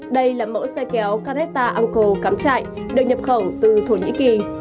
đây là mẫu xe kéo caretta anco cắm trại được nhập khẩu từ thổ nhĩ kỳ